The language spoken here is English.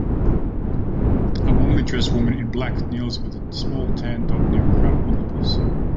A warmly dressed woman in black kneels with a small tan dog near a crowd of onlookers.